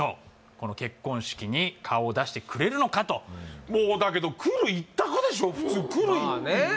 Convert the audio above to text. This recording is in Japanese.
この結婚式に顔を出してくれるのかともうだけど普通「来る」一択でしょまあね